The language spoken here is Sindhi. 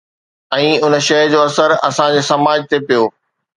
۽ ان شيءِ جو اثر اسان جي سماج تي پيو